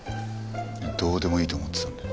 どうでもいいと思ってたんで。